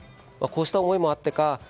こうした思いもあってか